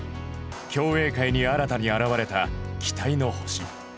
競泳界に新たに現れた期待の星。